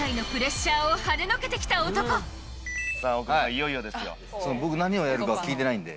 いよいよですよ。